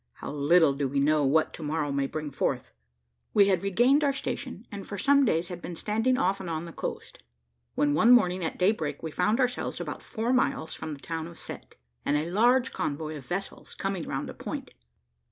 How little do we know what to morrow may bring forth! We had regained our station, and for some days had been standing off and on the coast, when one morning at daybreak, we found ourselves about four miles from the town of Cette, and a large convoy of vessels coming round a point.